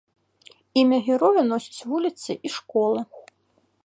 Імя героя носяць вуліцы і школы.